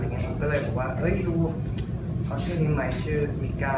ก็เลยบอกว่าเฮ้ยดูขอชื่อมีกะชื่อมีกะ